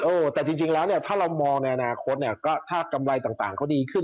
เออแต่จริงแล้วเนี่ยถ้าเรามองในอนาคตเนี่ยก็ถ้ากำไรต่างเขาดีขึ้น